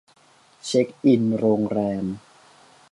เช็กอินโรงแรม